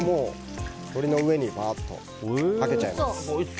鶏の上にばーっとかけちゃいます。